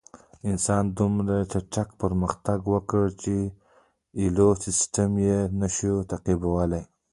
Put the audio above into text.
انسان دومره چټک پرمختګ وکړ چې ایکوسېسټم یې نهشوی تعقیبولی.